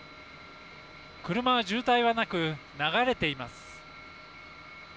車は渋滞はなく、流れています。